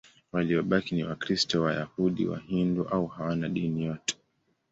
Waliobaki ni Wakristo, Wayahudi, Wahindu au hawana dini yote.